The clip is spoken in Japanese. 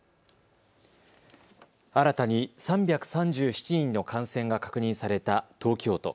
新たに３３７人の感染が確認された東京都。